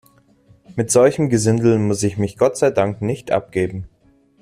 Mit solchem Gesindel muss ich mich Gott sei Dank nicht abgeben.